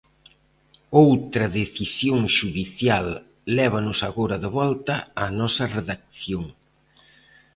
Outra decisión xudicial lévanos agora de volta á nosa redacción.